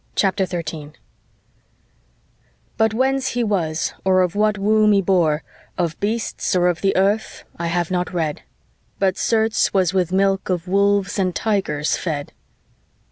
CHAPTER 13 But whence he was, or of what wombe ybore, Of beasts, or of the earth, I have not red: But certes was with milke of wolves and tygres fed.